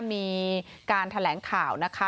มีการแถลงข่าวนะคะ